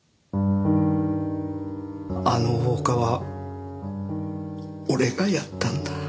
あの放火は俺がやったんだ。